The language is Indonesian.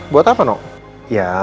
buat apa no ya